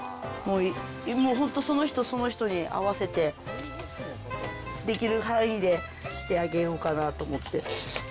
本当、その人その人に合わせて、できる範囲でしてあげようかなと思って。